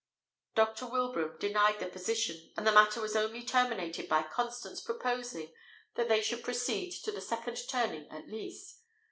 Dr. Wilbraham denied the position, and the matter was only terminated by Constance proposing that they should proceed to the second turning at least.